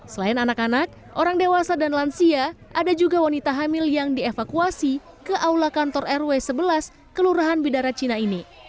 selain anak anak orang dewasa dan lansia ada juga wanita hamil yang dievakuasi ke aula kantor rw sebelas kelurahan bidara cina ini